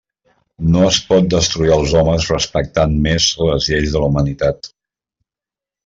No es pot destruir els homes respectant més les lleis de la humanitat.